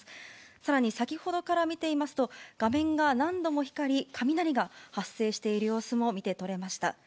さらに先ほどから見ていますと、画面が何度も光り、雷が発生している様子も見て取れました。